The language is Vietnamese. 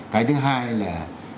cái thứ hai là